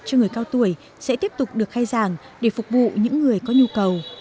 cho người cao tuổi sẽ tiếp tục được khai giảng để phục vụ những người có nhu cầu